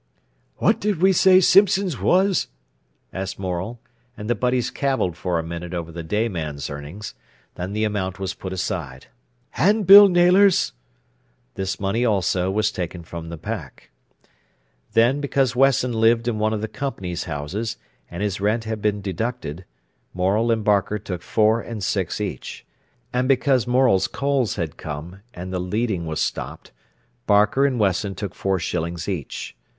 "What did we say Simpson's was?" asked Morel; and the butties cavilled for a minute over the dayman's earnings. Then the amount was put aside. "An' Bill Naylor's?" This money also was taken from the pack. Then, because Wesson lived in one of the company's houses, and his rent had been deducted, Morel and Barker took four and six each. And because Morel's coals had come, and the leading was stopped, Barker and Wesson took four shillings each.